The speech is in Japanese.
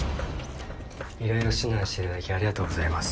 いろいろ指南していただきありがとうございます。